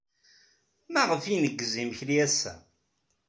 Maɣef ay ineggez imekli ass-a?